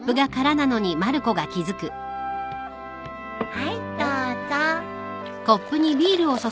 はいどうぞ。